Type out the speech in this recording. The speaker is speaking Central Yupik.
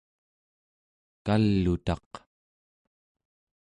kal'utaq